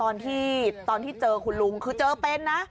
ตอนที่ตอนที่เจอคุณลุงคือเจอเป็นนะ